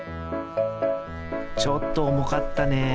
ちょっとおもかったね。